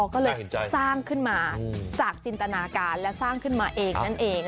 ก็เลยสร้างขึ้นมาจากจินตนาการและสร้างขึ้นมาเองนั่นเอง